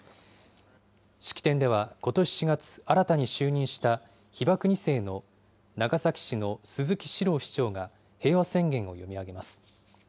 式典では、ことし４月、新たに就任した被爆２世の長崎市の鈴木史朗市長が平和宣言を読み上げます。